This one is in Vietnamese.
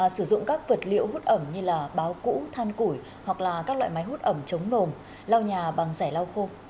sử dụng các vật liệu hút ẩm như là báo củ than củi hoặc là các loại máy hút ẩm chống nồm lau nhà bằng rẻ lau khô